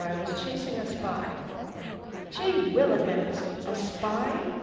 I was chasing a spy." "Gee Whillikins! A spy!"